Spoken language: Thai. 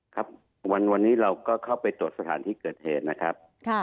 ครับวันนี้เราก็เข้าไปตรวจสถานที่เกิดเหตุนะครับ